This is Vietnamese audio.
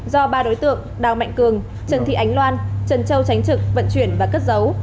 do ba đối tượng đào mạnh cường trần thị ánh loan trần châu tránh trực vận chuyển và cất dấu